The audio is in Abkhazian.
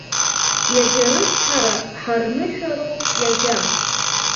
Иагьа рыцҳара ҳарнышәароуп, иагьа!